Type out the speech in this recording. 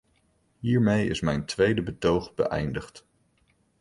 Hiermee is mijn tweede betoog beëindigd.